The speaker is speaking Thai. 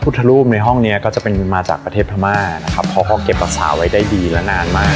รูปในห้องเนี้ยก็จะเป็นมาจากประเทศพม่านะครับเพราะเขาเก็บรักษาไว้ได้ดีและนานมาก